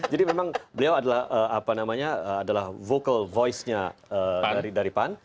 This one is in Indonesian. jadi memang beliau adalah vocal voice nya dari pan